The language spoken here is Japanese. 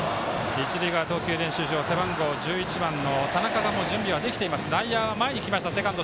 一塁側、投球練習場背番号１１番の田中が準備はできています。